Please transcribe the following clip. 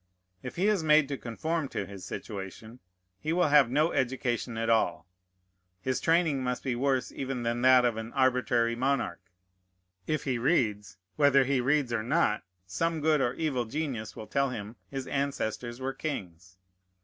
If he is made to conform to his situation, he will have no education at all. His training must be worse even than that of an arbitrary monarch. If he reads, whether he reads or not, some good or evil genius will tell him his ancestors were kings.